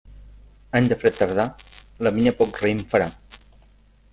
Any de fred tardà, la vinya poc raïm farà.